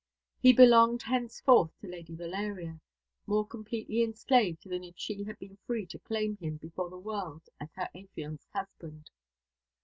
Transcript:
He belonged henceforth to Lady Valeria more completely enslaved than if she had been free to claim him before the world as her affianced husband.